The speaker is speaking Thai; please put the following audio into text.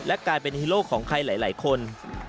และกลายเป็นฮีโร่ของใครหลายคน